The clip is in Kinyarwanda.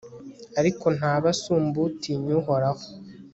ariko ntaba asumba utinya uhoraho